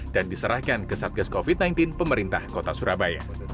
dan diserahkan ke satgas covid sembilan belas pemerintah kota surabaya